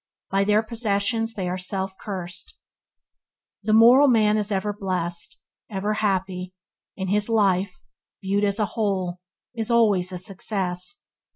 By their possessions they are self cursed. The moral man is ever blessed, ever happy, and his life, viewed as a whole, is always a success.